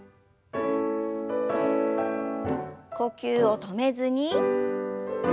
呼吸を止めずに。